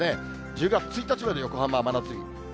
１０月１日まで、横浜は真夏日。